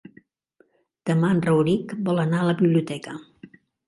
Demà en Rauric vol anar a la biblioteca.